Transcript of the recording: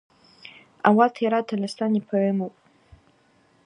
Ауат йара Тольыстан йпоэмапӏ.